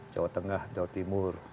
jawa tengah jawa timur